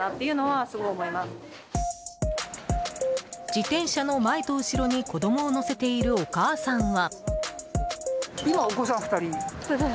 自転車の前と後ろに子供を乗せているお母さんは。